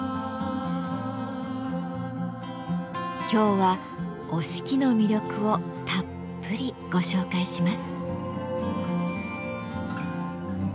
今日は折敷の魅力をたっぷりご紹介します。